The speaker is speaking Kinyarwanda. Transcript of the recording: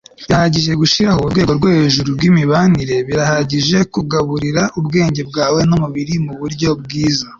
birahagije gushiraho urwego rwo hejuru rwimibanire. birahagije kugaburira ubwenge bwawe numubiri muburyo bwiza